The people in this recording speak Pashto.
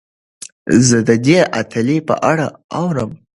زه د دې اتلې په اړه اورم.